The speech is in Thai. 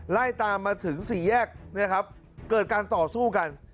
ไล่ตามมาถึงสี่แยกนะครับเกิดการต่อสู้กัน